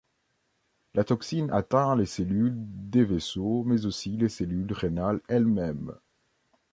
La toxine atteint les cellules des vaisseaux mais aussi les cellules rénales elles-mêmes.